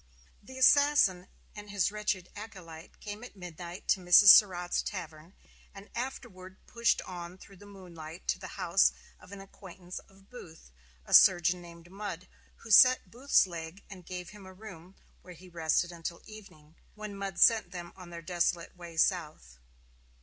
The assassin and his wretched acolyte came at midnight to Mrs. Surratt's tavern, and afterward pushed on through the moonlight to the house of an acquaintance of Booth, a surgeon named Mudd, who set Booth's leg and gave him a room, where he rested until evening, when Mudd sent them on their desolate way south.